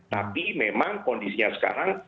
tapi memang kondisinya sekarang